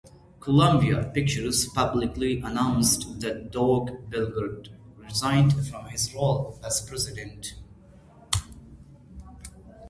Columbia Pictures publicly announced that Doug Belgrad resigned from his role as president.